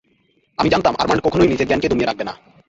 আমি জানতাম আরমান্ড কখনই নিজের জ্ঞানকে দমিয়ে রাখবে না।